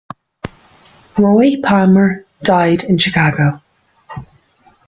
Roy Palmer died in Chicago.